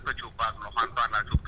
tôi chụp vào